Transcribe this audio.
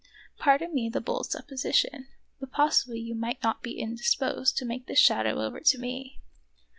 Pardon me the bold supposition, but possibly you might not be indisposed to make this shadow over to me."